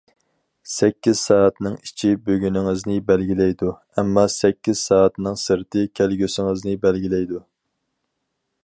سەككىز سائەتنىڭ ئىچى بۈگۈنىڭىزنى بەلگىلەيدۇ، ئەمما سەككىز سائەتنىڭ سىرتى كەلگۈسىڭىزنى بەلگىلەيدۇ.